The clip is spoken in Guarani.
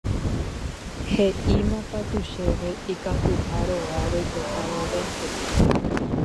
He'ímakatu chéve ikatuha rova roipota vovénte.